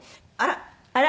あら。